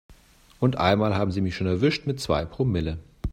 Und einmal haben sie mich schon erwischt mit zwei Promille.